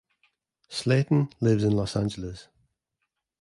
Slayton lives in Los Angeles.